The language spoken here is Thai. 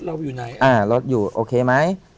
เรารถเราอยู่ไหน